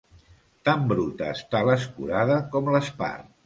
Tan bruta està l'escurada com l'espart.